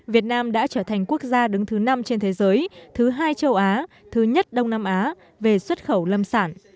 việt nam đã trở thành quốc gia đứng thứ năm trên thế giới thứ hai châu á thứ nhất đông nam á về xuất khẩu lâm sản